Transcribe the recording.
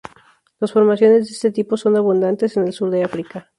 Las formaciones de este tipo son abundantes en el sur de África.